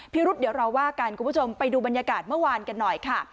รุษเดี๋ยวเราว่ากันคุณผู้ชมไปดูบรรยากาศเมื่อวานกันหน่อยค่ะ